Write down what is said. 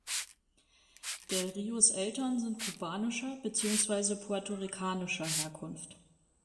Del Rios Eltern sind kubanischer, beziehungsweise puerto-ricanischer Herkunft.